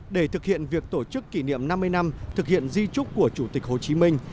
để thực hiện việc tổ chức kỷ niệm năm mươi năm thực hiện di trúc của chủ tịch hồ chí minh